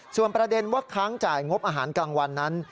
ส่วนประเด็นว่าค้างจ่ายงบอาหารกลางวันนั้น